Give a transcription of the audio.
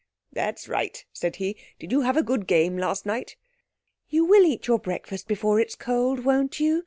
"That's right," said he; "did you have a good game last night?" "You will eat your breakfast before it's cold, won't you?"